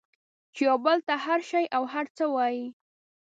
چې یو بل ته هر شی او هر څه وایئ